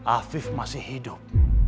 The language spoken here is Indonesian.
afif masih hidup